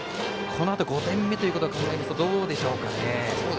このあと、５点目ということを考えるとどうでしょうかね。